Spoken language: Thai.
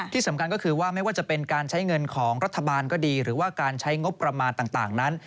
ที่สำคัญก็คือว่าไม่ว่าจะเป็นการใช้เงินของรัฐบาลก็ดีหรือว่าการใช้งบประมาณต่างนั้น